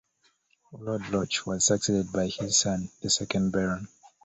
Lord Loch was succeeded by his son, the second Baron.